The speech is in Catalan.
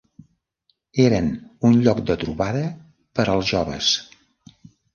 Eren un lloc de trobada per als joves.